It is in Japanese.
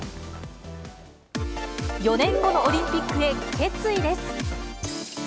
４年後のオリンピックへ決意です。